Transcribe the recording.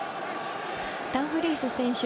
ダンフリース選手